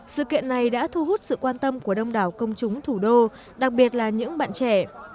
sự kiện này đã thu hút sự quan tâm của đông đảo công chúng thủ đô đặc biệt là những bạn trẻ